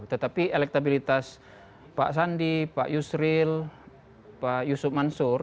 tetapi elektabilitas pak sandi pak yusril pak yusuf mansur